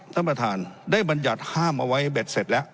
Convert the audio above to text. ท่านประธานได้บรรยัติห้ามเอาไว้เบ็ดเสร็จแล้ว